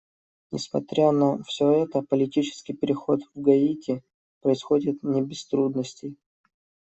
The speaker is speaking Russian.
Несмотря на все это, политический переход в Гаити происходит не без трудностей.